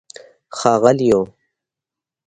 ښاغلیو